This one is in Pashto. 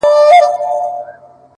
دا نه منم چي صرف ټوله نړۍ كي يو غمى دی،